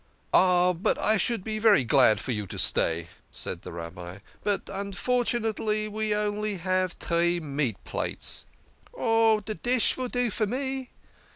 " Oh, I should be very glad for you to stay," said the Rabbi, " but, unfortunately, we have only three meat plates." " Oh, de dish vill do for me."